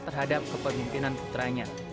terhadap kepemimpinan putranya